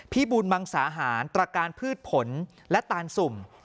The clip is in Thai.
บูลมังสาหารตรการพืชผลและตานสุ่ม